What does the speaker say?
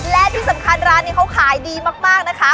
และที่สำคัญร้านนี้เขาขายดีมากนะคะ